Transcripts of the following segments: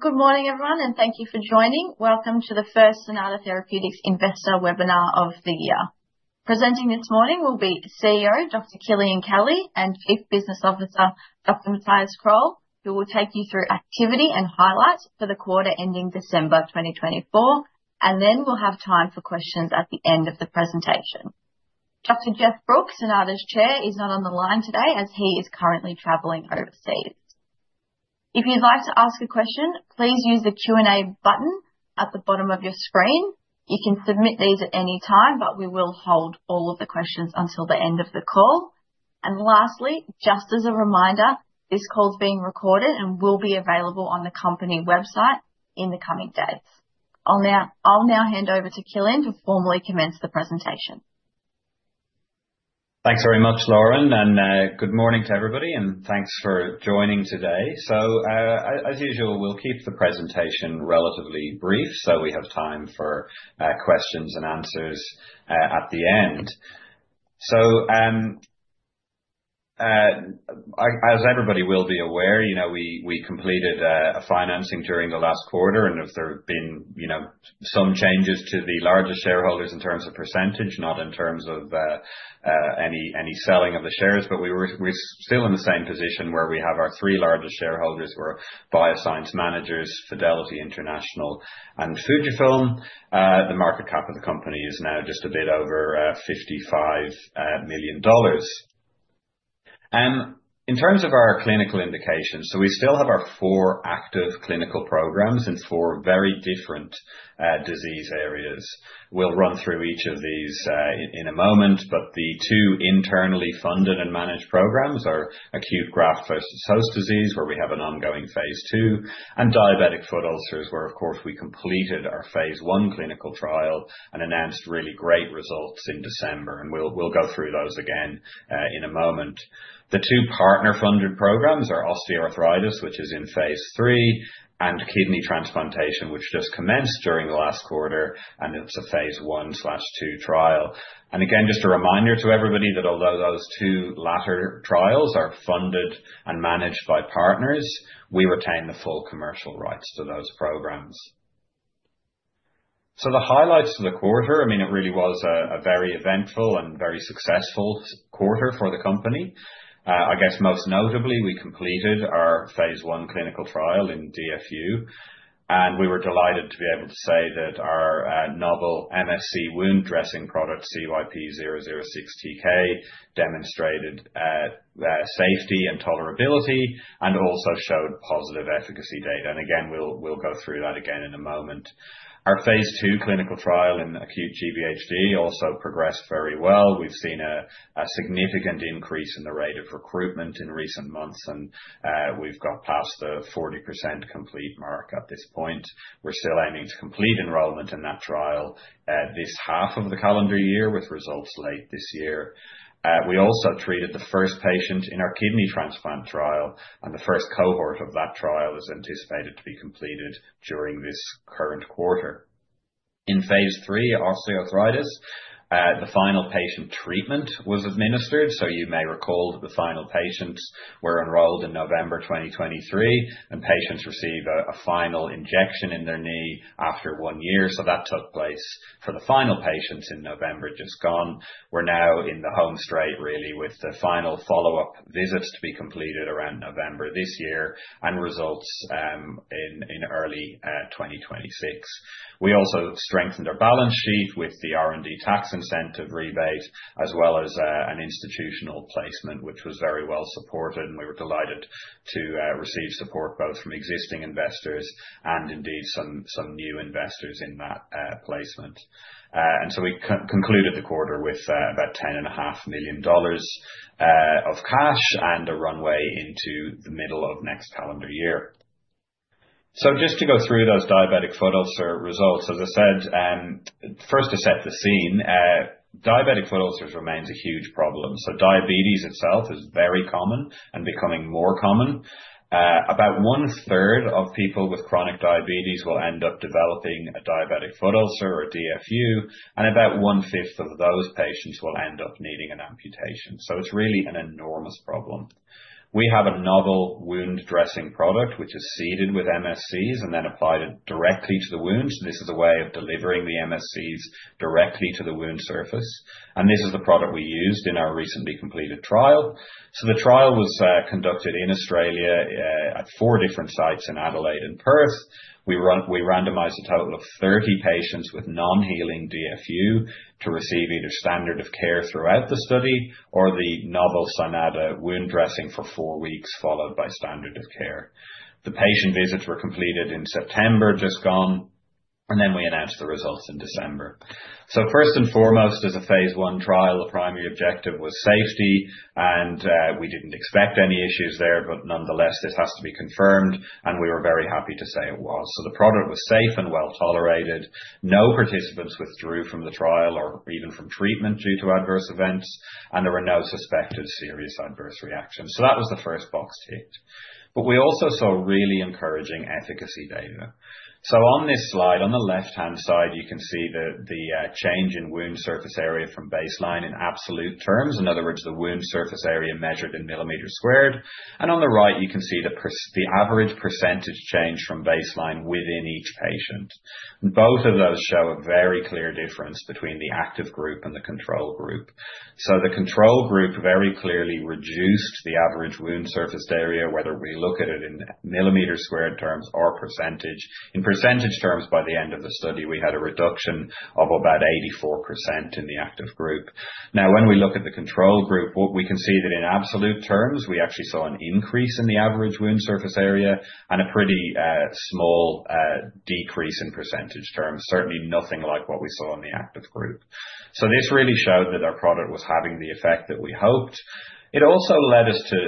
Good morning everyone. Thank you for joining. Welcome to the first Cynata Therapeutics investor webinar of the year. Presenting this morning will be CEO, Dr. Kilian Kelly, and Chief Business Officer, Dr. Mathias Kroll, who will take you through activity and highlights for the quarter ending December 2024, and then we'll have time for questions at the end of the presentation. Dr. Geoff Brooke, Cynata's Chair, is not on the line today as he is currently traveling overseas. If you'd like to ask a question, please use the Q&A button at the bottom of your screen. You can submit these at any time. We will hold all of the questions until the end of the call. Lastly, just as a reminder, this call is being recorded and will be available on the company website in the coming days. I'll now hand over to Kilian to formally commence the presentation. Thanks very much, Lauren, and good morning to everybody, and thanks for joining today. As usual, we'll keep the presentation relatively brief so we have time for questions and answers at the end. As everybody will be aware, we completed a financing during the last quarter and there have been some changes to the largest shareholders in terms of percentage, not in terms of any selling of the shares. We're still in the same position where we have our three largest shareholders were BioScience Managers, Fidelity International, and Fujifilm. The market cap of the company is now just a bit over 55 million dollars. In terms of our clinical indications, so we still have our four active clinical programs in four very different disease areas. We'll run through each of these in a moment, the two internally funded and managed programs are acute graft versus host disease, where we have an ongoing phase II, and diabetic foot ulcers, where of course we completed our phase I clinical trial and announced really great results in December, and we'll go through those again in a moment. The two partner funded programs are osteoarthritis, which is in phase III, and kidney transplantation, which just commenced during the last quarter, and it's a phase I/II trial. Again, just a reminder to everybody that although those two latter trials are funded and managed by partners, we retain the full commercial rights to those programs. The highlights of the quarter, it really was a very eventful and very successful quarter for the company. I guess most notably, we completed our phase I clinical trial in DFU. We were delighted to be able to say that our novel MSC wound dressing product, CYP-006TK, demonstrated safety and tolerability and also showed positive efficacy data. Again, we'll go through that again in a moment. Our phase II clinical trial in acute GVHD also progressed very well. We've seen a significant increase in the rate of recruitment in recent months, and we've got past the 40% complete mark at this point. We're still aiming to complete enrollment in that trial this half of the calendar year with results late this year. We also treated the first patient in our kidney transplant trial, and the first cohort of that trial is anticipated to be completed during this current quarter. In phase III osteoarthritis, the final patient treatment was administered. You may recall that the final patients were enrolled in November 2023, and patients receive a final injection in their knee after one year. That took place for the final patients in November just gone. We're now in the home straight really with the final follow-up visits to be completed around November this year and results in early 2026. We also strengthened our balance sheet with the R&D Tax Incentive rebate as well as an institutional placement, which was very well supported and we were delighted to receive support both from existing investors and indeed some new investors in that placement. We concluded the quarter with about 10.5 million dollars of cash and a runway into the middle of next calendar year. Just to go through those Diabetic Foot Ulcers results, as I said, first to set the scene, Diabetic Foot Ulcers remains a huge problem. Diabetes itself is very common and becoming more common. About one-third of people with chronic diabetes will end up developing a diabetic foot ulcer or DFU, and about one-fifth of those patients will end up needing an amputation. It's really an enormous problem. We have a novel wound dressing product which is seeded with MSCs and then applied directly to the wound. This is a way of delivering the MSCs directly to the wound surface. This is the product we used in our recently completed trial. The trial was conducted in Australia at four different sites in Adelaide and Perth. We randomized a total of 30 patients with non-healing DFU to receive either standard of care throughout the study or the novel Cynata wound dressing for four weeks, followed by standard of care. The patient visits were completed in September just gone, and then we announced the results in December. First and foremost, as a phase I trial, the primary objective was safety, and we didn't expect any issues there, but nonetheless, this has to be confirmed, and we were very happy to say it was. The product was safe and well-tolerated. No participants withdrew from the trial or even from treatment due to adverse events, and there were no suspected serious adverse reactions. That was the first box ticked. We also saw really encouraging efficacy data. On this slide, on the left-hand side, you can see the change in wound surface area from baseline in absolute terms. In other words, the wound surface area measured in millimeters squared. On the right, you can see the average percentage change from baseline within each patient. Both of those show a very clear difference between the active group and the control group. The control group very clearly reduced the average wound surface area, whether we look at it in millimeters squared terms or percentage. In percentage terms, by the end of the study, we had a reduction of about 84% in the active group. Now, when we look at the control group, what we can see that in absolute terms, we actually saw an increase in the average wound surface area and a pretty small decrease in percentage terms. Certainly nothing like what we saw in the active group. This really showed that our product was having the effect that we hoped. It also led us to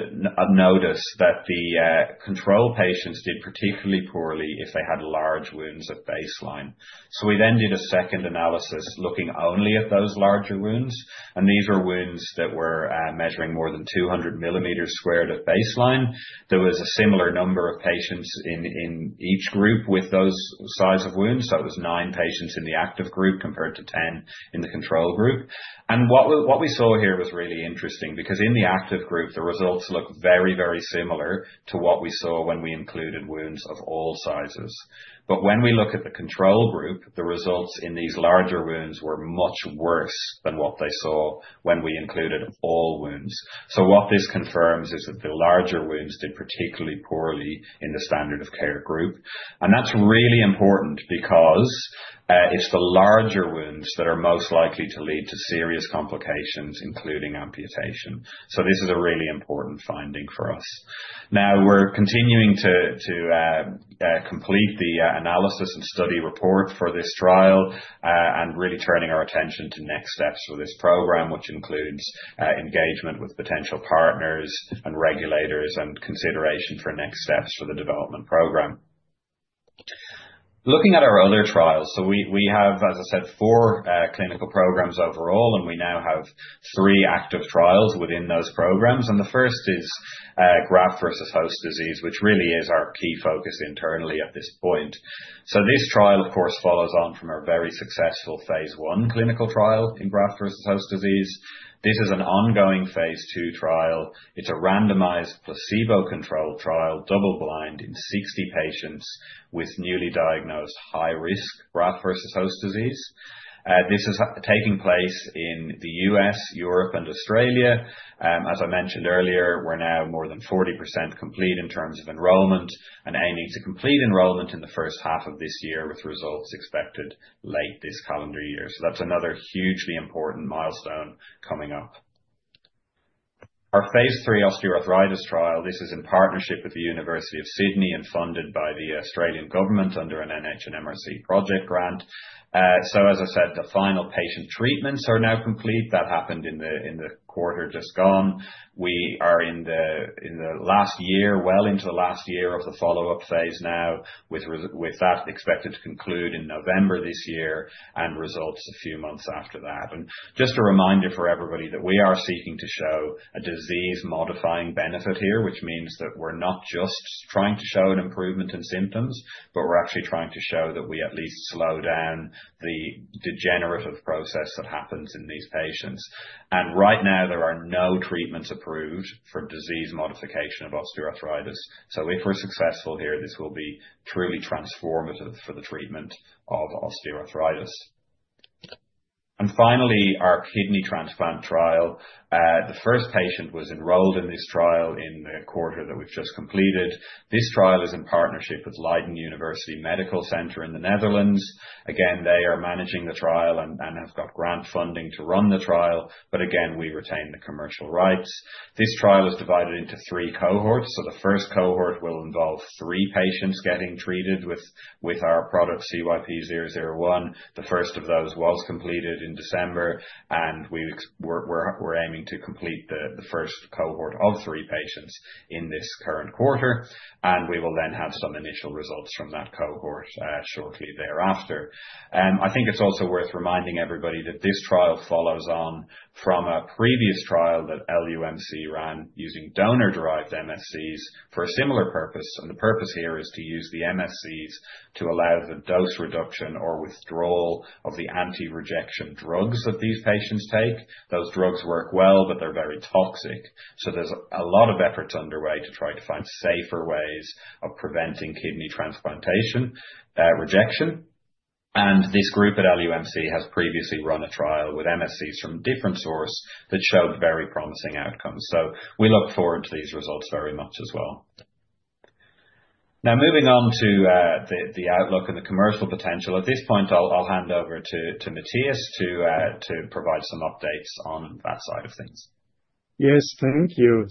notice that the control patients did particularly poorly if they had large wounds at baseline. We then did a second analysis looking only at those larger wounds, and these were wounds that were measuring more than 200 millimeters squared at baseline. There was a similar number of patients in each group with those size of wounds. It was nine patients in the active group, compared to 10 in the control group. What we saw here was really interesting because in the active group, the results look very, very similar to what we saw when we included wounds of all sizes. When we look at the control group, the results in these larger wounds were much worse than what they saw when we included all wounds. What this confirms is that the larger wounds did particularly poorly in the standard of care group. That is really important because it is the larger wounds that are most likely to lead to serious complications, including amputation. This is a really important finding for us. We are continuing to complete the Looking at our other trials. We have, as I said, four clinical programs overall, and we now have three active trials within those programs. The first is graft versus host disease, which really is our key focus internally at this point. This trial, of course, follows on from our very successful phase I clinical trial in graft versus host disease. This is taking place in the U.S., Europe and Australia. As I mentioned earlier, we're now more than 40% complete in terms of enrollment and aiming to complete enrollment in the first half of this year with results expected late this calendar year. That's another hugely important milestone coming up. quarter just gone. We are in the last year, well into the last year of the follow-up phase now, with that expected to conclude in November this year and results a few months after that. Just a reminder for everybody that we are seeking to show a disease-modifying benefit here, which means that we're not just trying to show an improvement in symptoms, but we're actually trying to show that we at least slow down the degenerative process that happens in these patients. Right now, The first patient was enrolled in this trial in the quarter that we've just completed. This trial is in partnership with Leiden University Medical Center in the Netherlands. Again, they are managing the trial and have got grant funding to run the trial. Again, we retain the commercial rights. This trial is divided into three cohorts. The first cohort will involve three patients getting treated with our product, CYP-001. The first of those was completed in December, and we are aiming from a previous trial that LUMC ran using donor-derived MSCs for a similar purpose. The purpose here is to use the MSCs to allow the dose reduction or withdrawal of the anti-rejection drugs that these patients take. Those drugs work well, but they are very toxic. There is a lot of efforts underway to try to find safer ways of preventing kidney transplantation rejection. This group at LUMC has previously run a trial with MSCs from different source that showed very promising outcomes. We look forward to these results very much as well. Moving on to the outlook and the commercial potential. At this point, I'll hand over to Mathias to provide some updates on that side of things. Yes. Thank you.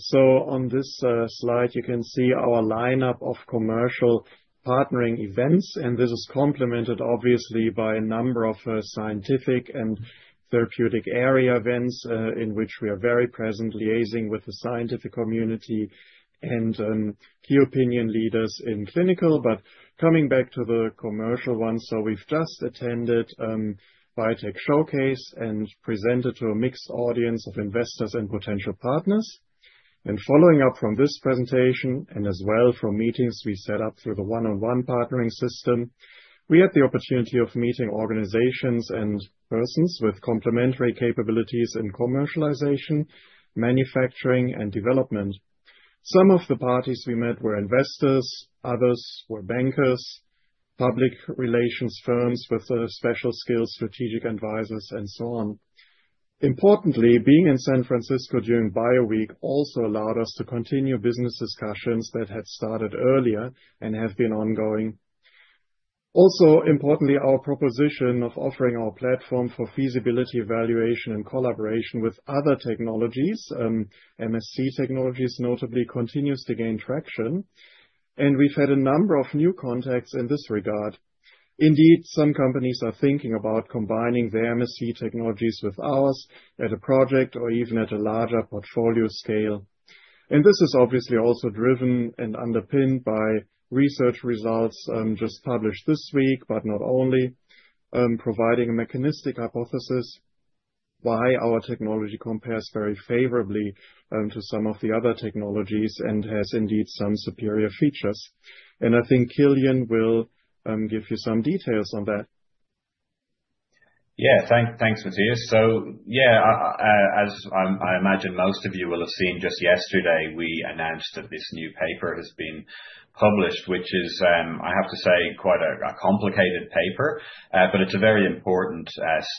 On this slide, you can see our lineup of commercial partnering events, and this is complemented, obviously, by a number of scientific and therapeutic area events in which we are very present liaising with the scientific community and key opinion leaders in clinical. Coming back to the commercial one. We've just attended Biotech Showcase and presented to a mixed audience of investors and potential partners. Following up from this presentation and as well from meetings we set up through the one-on-one partnering system, we had the opportunity of meeting organizations and persons with complementary capabilities in commercialization, manufacturing, and development. Some of the parties we met were investors, others were bankers, public relations firms with special skills, strategic advisors, and so on. Importantly, being in San Francisco during JPM Week also allowed us to continue business discussions that had started earlier and have been ongoing. Importantly, our proposition of offering our platform for feasibility, evaluation, and collaboration with other technologies, MSC technologies notably, continues to gain traction, and we've had a number of new contacts in this regard. Indeed, some companies are thinking about combining their MSC technologies with ours at a project or even at a larger portfolio scale. This is obviously also driven and underpinned by research results just published this week, but not only providing a mechanistic hypothesis why our technology compares very favorably to some of the other technologies and has indeed some superior features. I think Kilian will published, which is, I have to say, quite a complicated paper, but it's a very important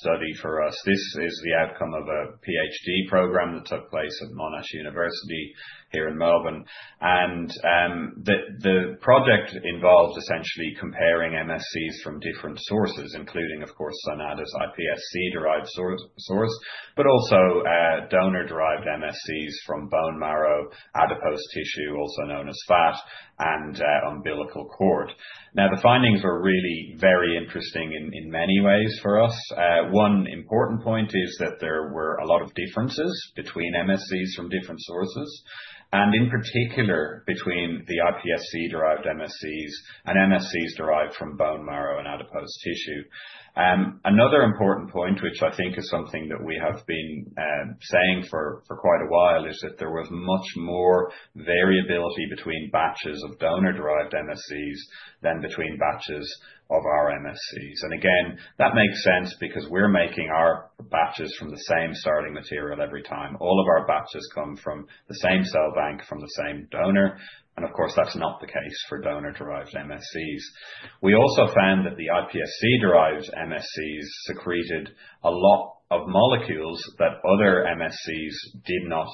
study for us. This is the outcome of a PhD program that took place at Monash University here in Melbourne. The project involved essentially comparing MSCs from different sources, including, of course, Cynata's iPSC-derived source, but also donor-derived MSCs from bone marrow, adipose tissue, also known as fat, and and in particular between the iPSC-derived MSCs and MSCs derived from bone marrow and adipose tissue. Another important point, which I think is something that we have been saying for quite a while, is that there was much more variability between batches of donor-derived MSCs than between batches of our MSCs. Again, that makes sense because we're making our batches from the same starting material every time. All of our batches come from the same cell bank, from the same donor, and of course, that's not the case for donor-derived MSCs. We also found that the iPSC-derived MSCs secreted a lot of molecules that other MSCs did not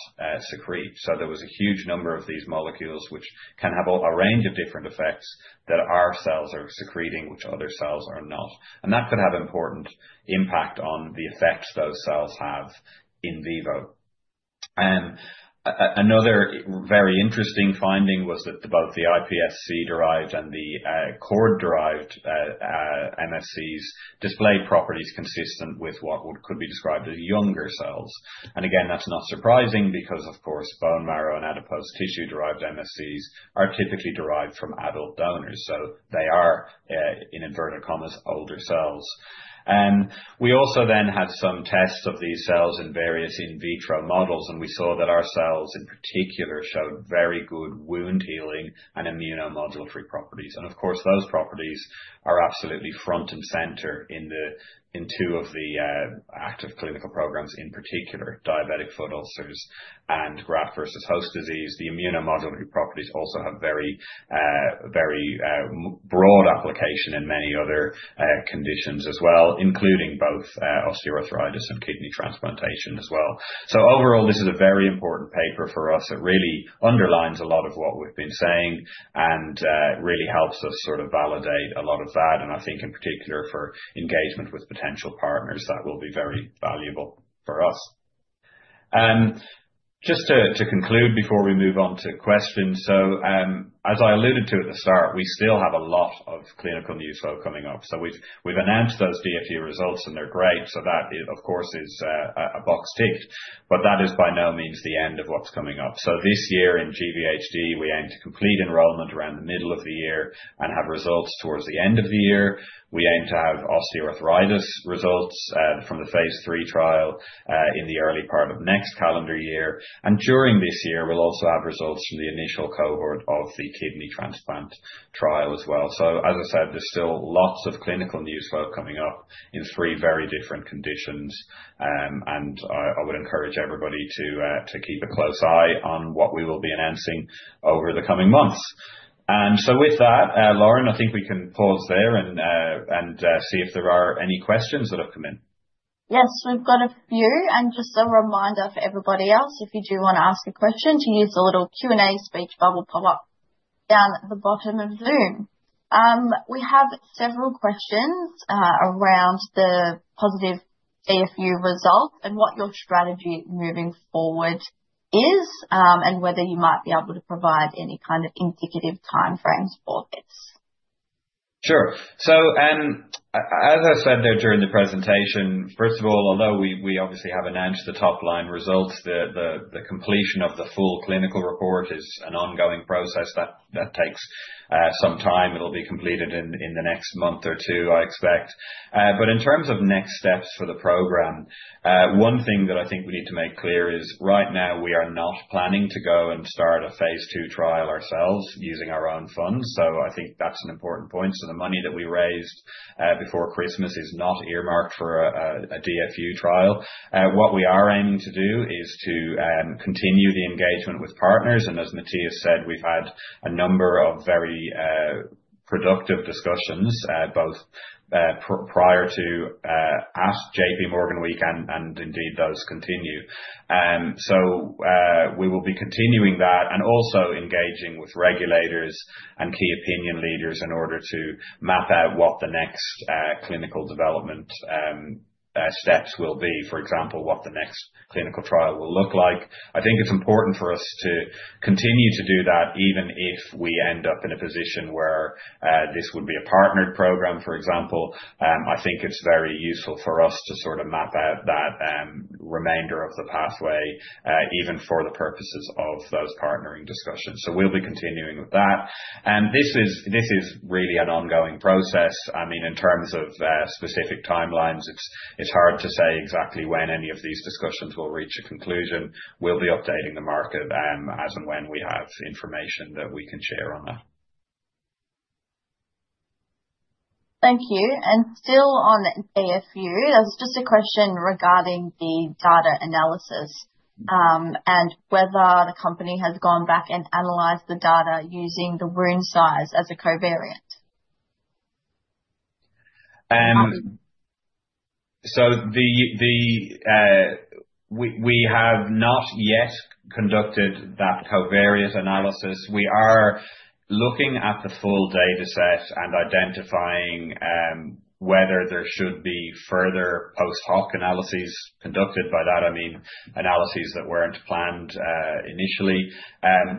secrete. There was a huge number of these molecules which can have a range of different effects that our cells are secreting, which other cells are not. That could have important impact on the effects those cells have in vivo. Another very interesting finding was that both the iPSC-derived and the cord-derived MSCs display properties consistent with what could be described as younger cells. Again, that's not surprising because, of course, bone marrow and adipose tissue-derived MSCs are typically derived from adult donors. They are, in inverted commas, older cells. We also then had some tests of these cells in various in vitro models, and we saw that our cells, in particular, showed very good wound healing and immunomodulatory properties. Of course, those properties are absolutely front and center in two of the active clinical programs, in particular diabetic foot ulcers and graft-versus-host disease. The immunomodulatory properties also have very broad application in many other conditions as well, including both osteoarthritis and kidney transplantation as well. Overall, this is a very important paper for us. It really underlines a lot of what we've been saying and really helps us sort of validate a lot of that. I think in particular for engagement with As I alluded to at the start, we still have a lot of clinical news flow coming up. We've announced those DFU results and they're great. That, of course, is a box ticked, but that is by no means the end of what's coming up. This year in GVHD, we aim to complete enrollment around the middle of the year and have results towards the end of the year. We aim to have osteoarthritis results from the phase III trial in the early part of next calendar year. During this year, we'll also have results from the initial cohort of the kidney transplant trial as well. As I said, there's still lots of clinical news flow coming up in three very different conditions. I would encourage everybody to keep a close eye on what we will be announcing over the coming months. With that, Lauren, I think we can pause there and see if there are any questions that have come in. Yes, we've got a few. Just a reminder for everybody else, if you do want to ask a question to use the little Q&A speech bubble pop up down at the bottom of Zoom. We have several questions around the positive DFU results and what your strategy moving forward is and whether you might be able to provide any kind of indicative time frames for this. Sure. As I said there during the presentation, first of all, although we obviously have announced the top-line results, the completion of the full clinical report is an ongoing process that takes some time. It'll be completed in the next month or two, I expect. In terms of next steps for the program, one thing that I think we need to make clear is right now we are not planning to go and start a phase II trial ourselves using our own funds. I think that's an important point. The money that we raised before Christmas is not earmarked for a DFU trial. What we are aiming to do is to continue the engagement with partners, and as Mathias said, we've had a number of very productive discussions, both prior to, at JPM Week, and indeed those continue. We will be continuing that and also engaging with regulators and key opinion leaders in order to map out what the next clinical development steps will be. For example, what the next clinical trial will look like. I think it's important for us to continue to do that, even if we end up in a position where this would be a partnered program, for example. I think it's very useful for us to sort of map out that remainder of the pathway, even for the purposes of those partnering discussions. We'll be continuing with that. This is really an ongoing process. In terms of specific timelines, it's hard to say exactly when any of these discussions will reach a conclusion. We'll be updating the market as and when we have information that we can share on that. Thank you. Still on DFU, there's just a question regarding the data analysis, and whether the company has gone back and analyzed the data using the wound size as a covariate. We have not yet conducted that covariate analysis. We are looking at the full data set and identifying whether there should be further post-hoc analyses conducted. By that I mean analyses that weren't planned initially.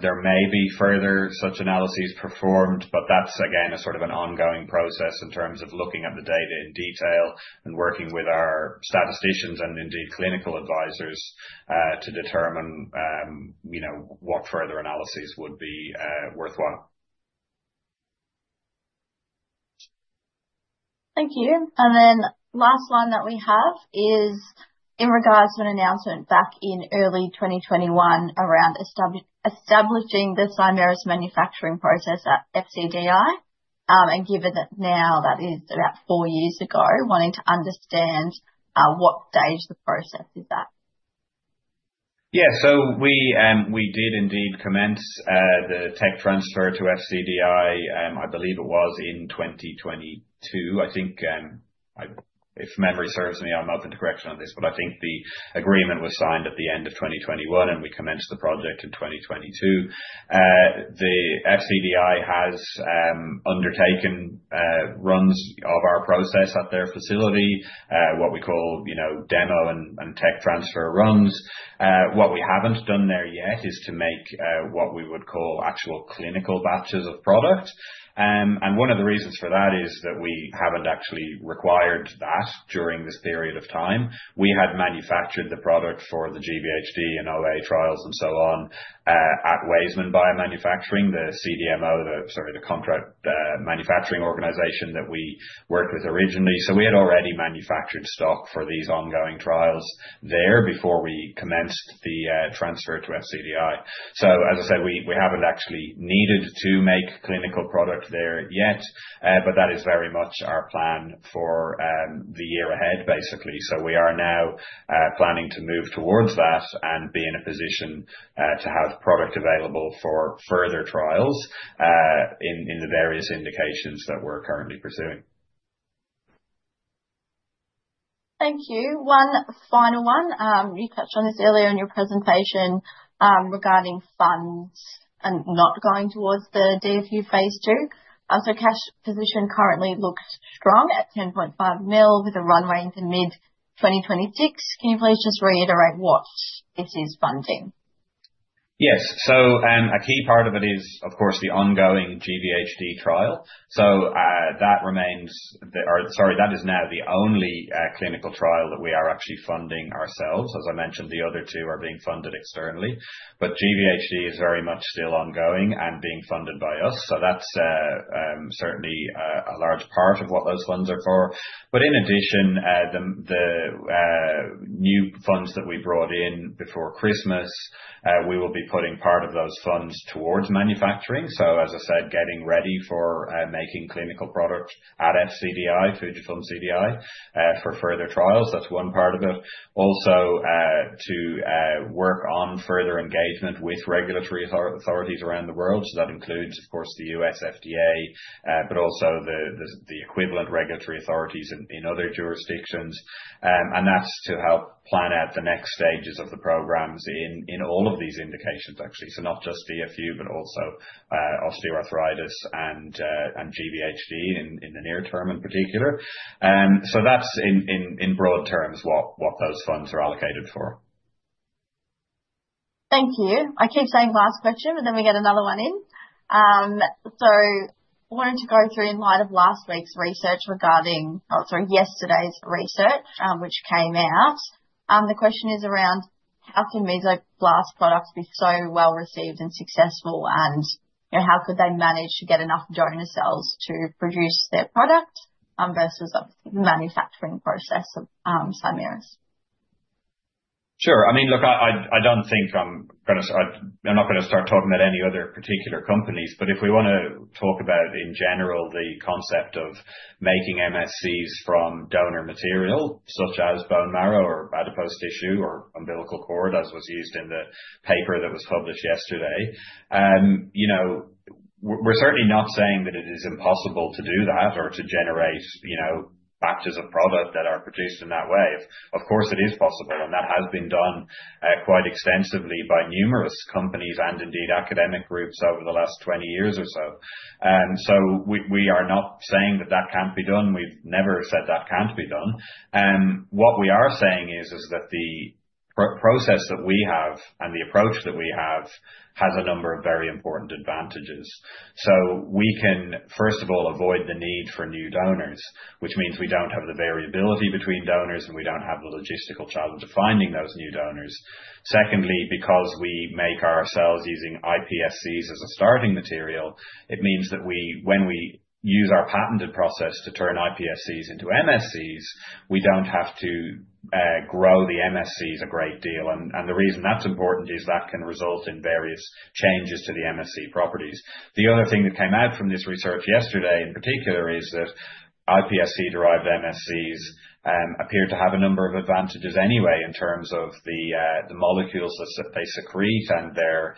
There may be further such analyses performed, but that's again, a sort of an ongoing process in terms of looking at the data in detail and working with our statisticians and indeed clinical advisors to determine what further analyses would be worthwhile. Thank you. Last one that we have is in regards to an announcement back in early 2021 around establishing the Cymerus manufacturing process at FCDI. Given that now that is about four years ago, wanting to understand what stage the process is at. We did indeed commence the tech transfer to FCDI. I believe it was in 2022. If memory serves me, I'm open to correction on this, but I think the agreement was signed at the end of 2021, and we commenced the project in 2022. The FCDI has undertaken runs of our process at their facility, what we call demo and tech transfer runs. What we haven't done there yet is to make what we would call actual clinical batches of product. One of the reasons for that is that we haven't actually required that during this period of time. We had manufactured the product for the GVHD and OA trials and so on at Waisman Biomanufacturing, the CDMO, sorry, the contract manufacturing organization that we worked with originally. We had already manufactured stock for these ongoing trials there before we commenced the transfer to FCDI. As I said, we haven't actually needed to make clinical product there yet. That is very much our plan for the year ahead, basically. We are now planning to move towards that and be in a position to have product available for further trials in the various indications that we're currently pursuing. Thank you. One final one. You touched on this earlier in your presentation regarding funds and not going towards the DFU Phase II. Cash position currently looks strong at 10.5 million with a runway into mid-2026. Can you please just reiterate what it is funding? Yes. A key part of it is, of course, the ongoing GVHD trial. That remains the, or sorry, that is now the only clinical trial that we are actually funding ourselves. As I mentioned, the other two are being funded externally. GVHD is very much still ongoing and being funded by us. That's certainly a large part of what those funds are for. In addition, the new funds that we brought in before Christmas, we will be putting part of those funds towards manufacturing. As I said, getting ready for making clinical product at FCDI, FUJIFILM CDI, for further trials. That's one part of it. Also to work on further engagement with regulatory authorities around the world. That includes, of course, the U.S. FDA, but also the equivalent regulatory authorities in other jurisdictions. That's to help plan out the next stages of the programs in all of these indications, actually. Not just DFU, but also osteoarthritis and GVHD in the near term in particular. That's in broad terms what those funds are allocated for. Thank you. I keep saying last question, we get another one in. Wanted to go through in light of yesterday's research which came out. The question is around how can Mesoblast products be so well-received and successful and how could they manage to get enough donor cells to produce their product, versus obviously the manufacturing process of Cymerus. Sure. Look, I'm not gonna start talking about any other particular companies, but if we wanna talk about in general, the concept of making MSCs from donor material such as bone marrow or adipose tissue or umbilical cord, as was used in the paper that was published yesterday. We're certainly not saying that it is impossible to do that or to generate batches of product that are produced in that way. Of course, it is possible, and that has been done quite extensively by numerous companies and indeed academic groups over the last 20 years or so. We are not saying that that can't be done. We've never said that can't be done. What we are saying is that the process that we have and the approach that we have has a number of very important advantages. We can, first of all, avoid the need for new donors, which means we don't have the variability between donors, and we don't have the logistical challenge of finding those new donors. Secondly, because we make ourselves using iPSCs as a starting material, it means that when we use our patented process to turn iPSCs into MSCs, we don't have to grow the MSCs a great deal. The reason that's important is that can result in various changes to the MSC properties. The other thing that came out from this research yesterday in particular is that iPSC-derived MSCs appear to have a number of advantages anyway in terms of the molecules that they secrete and their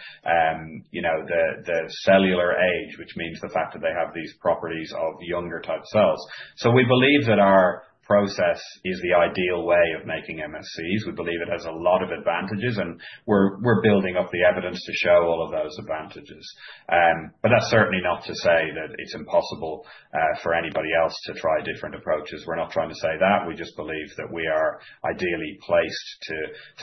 cellular age, which means the fact that they have these properties of younger type cells. We believe that our process is the ideal way of making MSCs. We believe it has a lot of advantages, and we're building up the evidence to show all of those advantages. But that's certainly not to say that it's impossible for anybody else to try different approaches. We're not trying to say that. We just believe that we are ideally placed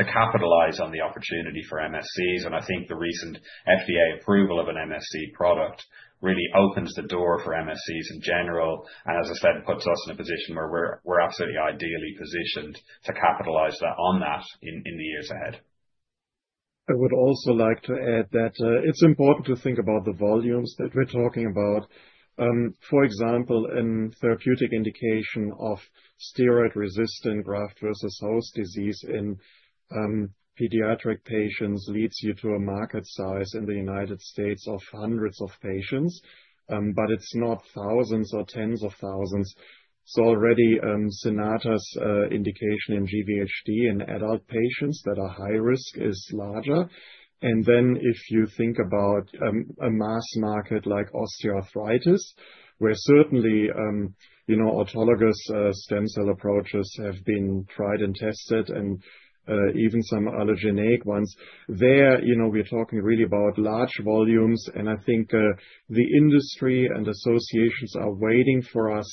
to capitalize on the opportunity for MSCs. And I think the recent FDA approval of an MSC product really opens the door for MSCs in general, and as I said, puts us in a position where we're absolutely ideally positioned to capitalize on that in the years ahead. I would also like to add that it's important to think about the volumes that we're talking about. For example, in therapeutic indication of steroid-resistant graft-versus-host disease in pediatric patients leads you to a market size in the United States of hundreds of patients. It's not thousands or tens of thousands. Already, Cynata's indication in GVHD in adult patients that are high risk is larger. If you think about a mass market like osteoarthritis, where certainly autologous stem cell approaches have been tried and tested, and even some allogeneic ones, there we're talking really about large volumes. I think the industry and associations are waiting for us,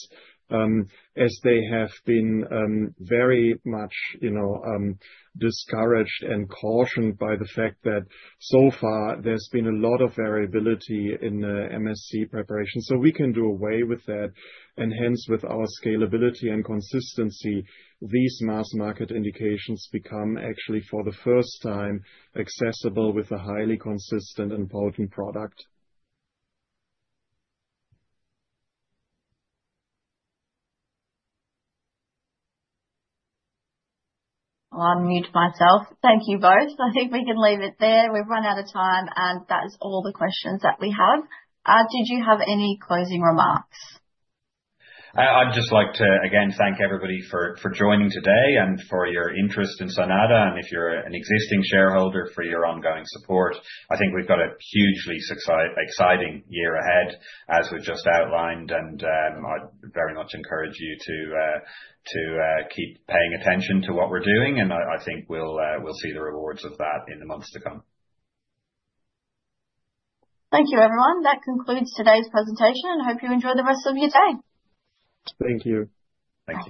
as they have been very much discouraged and cautioned by the fact that so far there's been a lot of variability in MSC preparation. We can do away with that and hence with our scalability and consistency, these mass market indications become actually, for the first time, accessible with a highly consistent and potent product. I'll unmute myself. Thank you both. I think we can leave it there. We've run out of time, and that is all the questions that we have. Did you have any closing remarks? I'd just like to again thank everybody for joining today and for your interest in Cynata, and if you're an existing shareholder, for your ongoing support. I think we've got a hugely exciting year ahead, as we've just outlined, and I'd very much encourage you to keep paying attention to what we're doing. I think we'll see the rewards of that in the months to come. Thank you everyone. That concludes today's presentation, and I hope you enjoy the rest of your day. Thank you. Thank you.